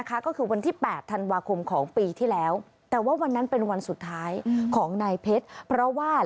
ก็คือวันที่๘ธันวาคมของปีที่แล้ว